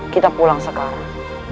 kita pulang sekarang